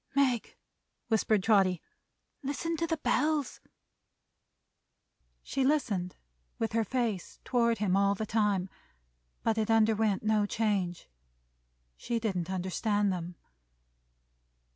"Meg!" whispered Trotty. "Listen to the Bells!" She listened, with her face toward him all the time. But it underwent no change. She didn't understand them.